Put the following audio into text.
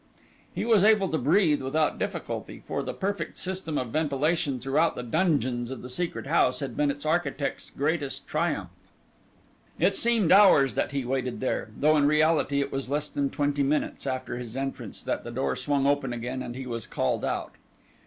He was able to breathe without difficulty, for the perfect system of ventilation throughout the dungeons of the Secret House had been its architect's greatest triumph. It seemed hours that he waited there, though in reality it was less than twenty minutes after his entrance that the door swung open again and he was called out.